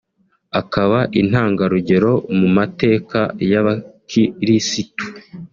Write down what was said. akaba intangarugero mu mateka y’Abakirisitu